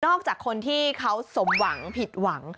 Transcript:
จากคนที่เขาสมหวังผิดหวัง